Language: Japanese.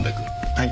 はい。